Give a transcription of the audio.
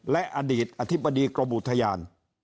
และอดีตอธิบดีกรมอุทยาน